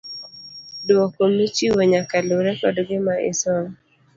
Duoko michiwo nyaka lure kod gima isomo.